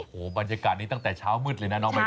โอ้โหบรรยากาศนี้ตั้งแต่เช้ามืดเลยนะน้องใบ